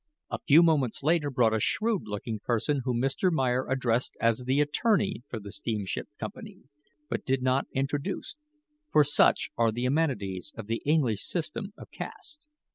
A few moments later brought a shrewd looking person whom Mr. Meyer addressed as the attorney for the steamship company, but did not introduce; for such are the amenities of the English system of caste.